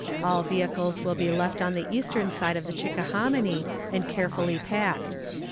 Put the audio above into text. All vehicles will be left on the eastern side of the Chickahominy, and carefully packed.